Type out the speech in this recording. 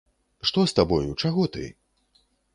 Што з табою, чаго ты?